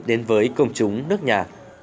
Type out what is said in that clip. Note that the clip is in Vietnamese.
đến với công chúng nước nhà